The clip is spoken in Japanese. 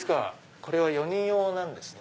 これは４人用なんですね。